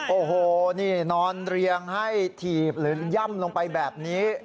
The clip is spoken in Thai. โอ้โหนี่นอนเรียงให้ถีบหรือย่ำลงไปแบบนี้